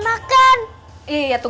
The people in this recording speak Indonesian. nah ya peaan